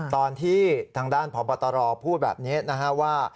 ตอนที่ทางด้านพบตรพูดแบบนี้นะฮะว่า